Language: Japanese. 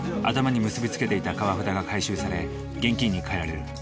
頭に結び付けていた川札が回収され現金に換えられる。